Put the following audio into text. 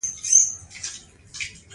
دا د کارګرې طبقې د استثمار پایله ده